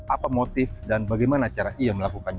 apa motif dan bagaimana cara ia melakukan ini